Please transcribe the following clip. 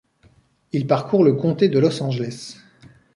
Il parcourt le comté de Los Angeles.